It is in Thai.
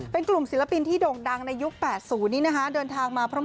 เป็นกลุ่มศิลปินที่โด่งดังในยุค๘๐นี้นะคะเดินทางมาพร้อม